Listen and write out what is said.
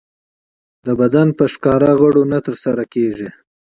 د بدن په ښکاره غړو نه ترسره کېږي.